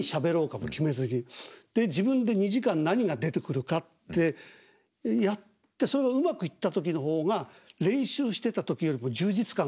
で自分で２時間何が出てくるかってやってそれがうまくいった時の方が練習してた時よりも充実感があるってのが。